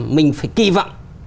mình phải kỳ vọng